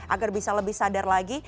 agar bisa lebih sadar lagi